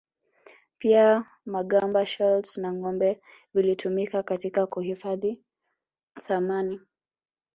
Pia magamba shells na ngombe vilitumika katika kuhifadhi thamani